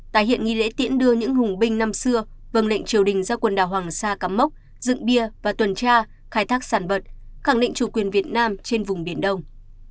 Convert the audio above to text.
tái hiện nghi lễ tiễn đưa những hùng binh năm xưa vân lệnh triều đình ra quần đảo hoàng sa cắm mốc dựng bia và tuần tra khai thác sản vật khẳng định chủ quyền việt nam trên vùng biển đông